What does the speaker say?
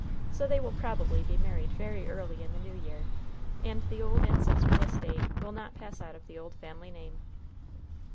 So they will probably be married very early in the new year, and the old ancestral estate will not pass out of the old family name."